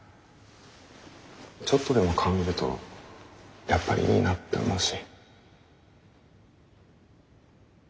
ちょっとでも顔見るとやっぱりいいなって思うし。